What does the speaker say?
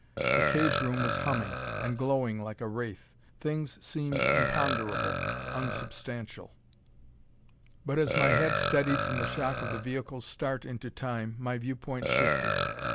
The cage room was humming, and glowing like a wraith; things seemed imponderable, unsubstantial. But as my head steadied from the shock of the vehicle's start into Time, my viewpoint shifted.